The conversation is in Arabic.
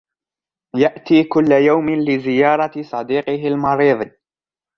يأتي كل يوم لزيارة صديقه المريض.